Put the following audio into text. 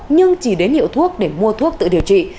nhưng chỉ đến hiệu thuốc để mua thuốc tự điều trị